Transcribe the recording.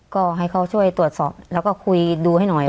ก็ให้เขาช่วยตรวจสอบแล้วก็คุยดูให้หน่อย